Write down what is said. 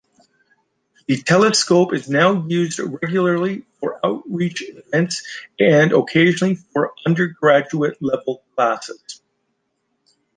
The telescope is now used regularly for outreach events and occasionally for undergraduate-level classes.